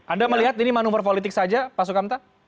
anda melihat ini manuver politik saja pak sukamta